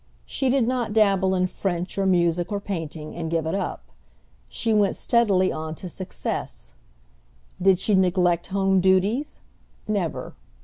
She did not dabble in French or music or painting and give it up; she went steadily on to success. Did she neglect home duties? Never.